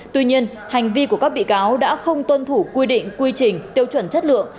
tuy nhiên hành vi của các bị cáo đã không tuân thủ quy định quy trình tiêu chuẩn chất lượng